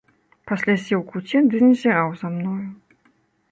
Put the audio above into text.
Пасля сеў у куце ды назіраў за мною.